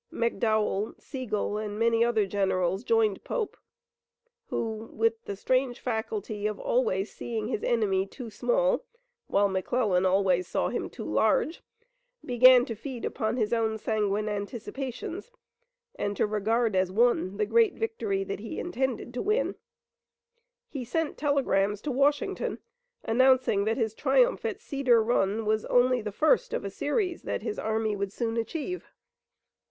McDowell, Sigel and many other generals joined Pope, who, with the strange faculty of always seeing his enemy too small, while McClellan always saw him too large, began to feed upon his own sanguine anticipations, and to regard as won the great victory that he intended to win. He sent telegrams to Washington announcing that his triumph at Cedar Run was only the first of a series that his army would soon achieve.